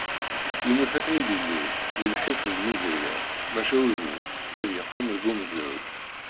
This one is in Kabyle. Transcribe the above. Yemmut akken i d-ilul, di lḥif d lmizirya, maca udem-is ad yeqqim deg umezruy.